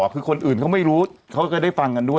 คือคนอื่นเขาไม่รู้เขาก็ได้ฟังกันด้วย